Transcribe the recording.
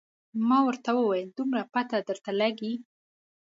ما ورته وویل دومره پته درته لګي.